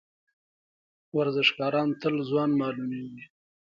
ورزشکاران تل ځوان معلومیږي.